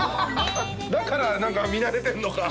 だから何か見慣れてんのか。